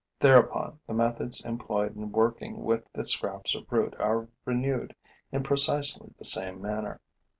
Thereupon, the methods employed in working with the scraps of root are renewed in precisely the same manner.